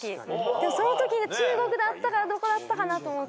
でもそのとき中国だったかどこだったかなと思って。